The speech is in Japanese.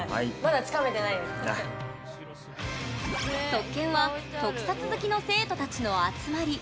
特研は特撮好きの生徒たちの集まり。